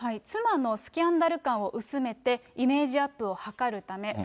妻のスキャンダル感を薄めて、イメージアップを図るため。